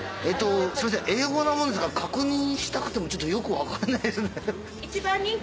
英語なもんですから確認したくてもちょっとよく分かんないですね。